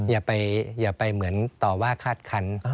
อย่าไปเหมือนต่อว่าคาดคัน